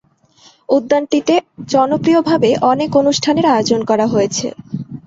উদ্যানটিতে জনপ্রিয়ভাবে অনেক অনুষ্ঠানের আয়োজন করা হয়েছে।